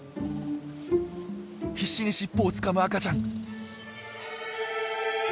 必死に尻尾をつかむ赤ちゃん。